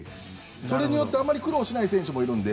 それによって苦労しない選手もいるので。